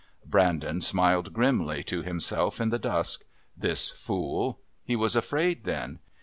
Brandon smiled grimly to himself in the dusk. This fool! He was afraid then.